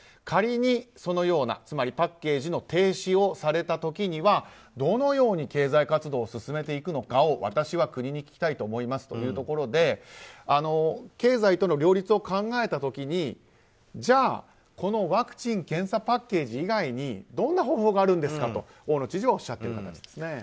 仮にそのような、つまりパッケージの停止をされた時にはどのように経済活動を進めていくのかを私は国に聞きたいと思いますというところで経済との両立を考えた時にじゃあ、このワクチン・検査パッケージ以外にどんな方法があるんですかと大野知事はおっしゃっています。